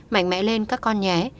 mạnh mẽ lên các con nhé